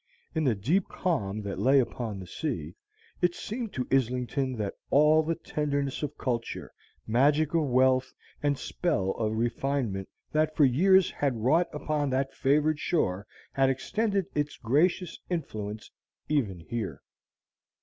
In the deep calm that lay upon the sea, it seemed to Islington that all the tenderness of culture, magic of wealth, and spell of refinement that for years had wrought upon that favored shore had extended its gracious influence even here.